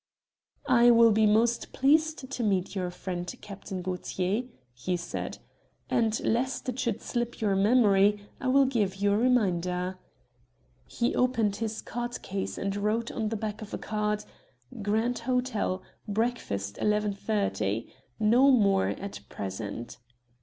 "I will be most pleased to meet your friend, Captain Gaultier," he said, "and lest it should slip your memory I will give you a reminder." He opened his card case and wrote on the back of a card: "Grand Hotel. Breakfast 11.30. No more at present."